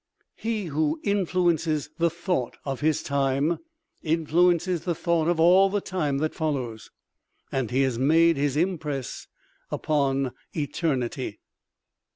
He who influences the thought of his time influences the thought of all the time that follows. And he has made his impress upon eternity.